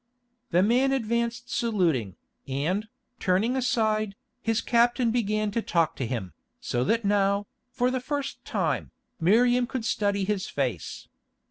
The man advanced saluting, and, turning aside, his captain began to talk with him, so that now, for the first time, Miriam could study his face.